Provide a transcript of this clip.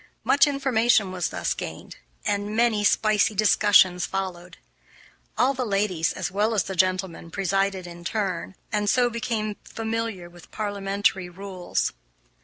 Much information was thus gained, and many spicy discussions followed. All the ladies, as well as the gentlemen, presided in turn, and so became familiar with parliamentary rules.